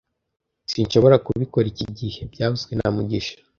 Sinshobora kubikora iki gihe byavuzwe na mugisha